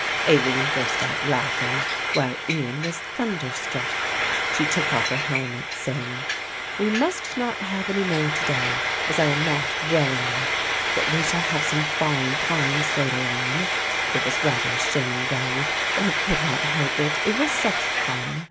Aline burst out laughing while Ian was thunder struck. She took off her helmet saying, "We must not have any more to day as I am not well enough, but we shall have some fine times later on. It was rather a shame though, but I could not help it, it was such fun.